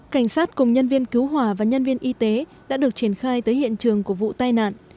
cảnh sát cùng nhân viên cứu hỏa và nhân viên y tế đã được triển khai tới hiện trường của vụ tai nạn